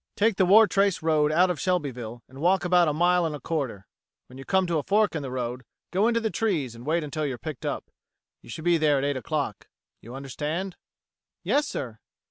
Take the Wartrace road out of Shelbyville and walk about a mile and a quarter. When you come to a fork in the road go into the trees and wait until you're picked up. You should be there at eight o'clock. You understand?" "Yes, sir."